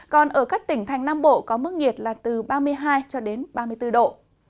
còn ở các tỉnh thành nam bộ có mức nhiệt là từ ba mươi hai cho đến ba mươi bốn độ